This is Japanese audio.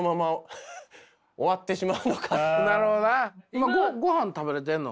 今ごはん食べれてるの？